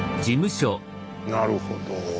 なるほど。